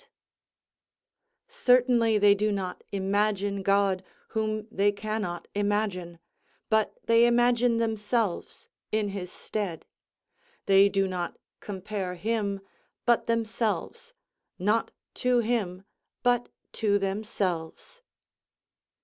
_ "Certainly they do not imagine God, whom they cannot imagine; but they imagine themselves in his stead; they do not compare him, but themselves, not to him, but to themselves."